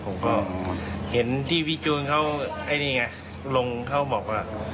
ผมก็เห็นที่วิจูนเขาไอ้นี่ไงลงเขาบอกว่า